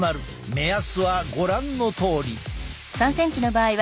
目安はご覧のとおり。